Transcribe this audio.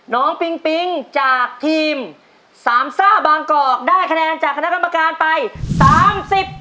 ปิงปิ๊งจากทีมสามซ่าบางกอกได้คะแนนจากคณะกรรมการไปสามสิบ